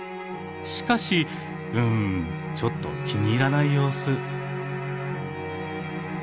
しかしうんちょっと気に入らない様子。